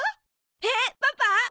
えっパパ？